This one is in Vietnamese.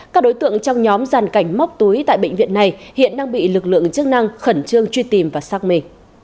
các đối tượng trong nhóm giàn cảnh móc túi tại bệnh viện này hiện đang bị lực lượng chức năng khẩn trương truy tìm và xác minh